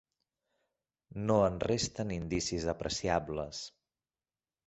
No en resten indicis apreciables.